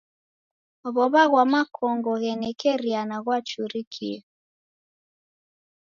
W'ow'a ghwa makongo ghenekeriana ghwachurikie.